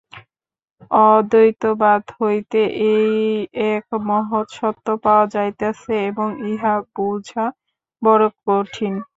অদ্বৈতবাদ হইতে এই এক মহৎ সত্য পাওয়া যাইতেছে, এবং ইহা বুঝা বড় কঠিন।